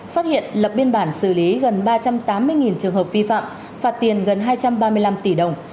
phát hiện lập biên bản xử lý gần ba trăm tám mươi trường hợp vi phạm phạt tiền gần hai trăm ba mươi năm tỷ đồng